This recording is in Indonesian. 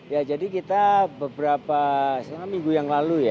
ya jadi kita beberapa minggu yang lalu ya